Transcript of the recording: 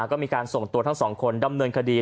ก็มีการส่งตัวทั้งสองคนดำเนินคดี